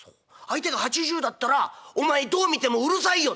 相手が８０だったら『お前どう見てもうるさいよ』」。